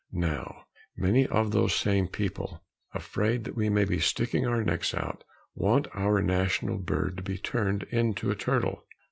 Now, many of those same people, afraid that we may be sticking our necks out, want our national bird to be turned into a turtle.